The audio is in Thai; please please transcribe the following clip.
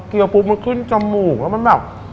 เกียร์ปุ๊บมันขึ้นจมูกแล้วมันแบบ